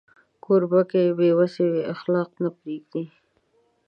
کوربه که بې وسی وي، اخلاق نه پرېږدي.